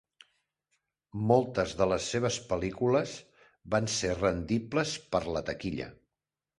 Moltes de les seves pel·lícules van ser rendibles per a la taquilla.